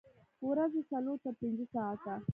ورځې څلور تر پنځه ساعته